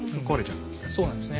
そうなんですね。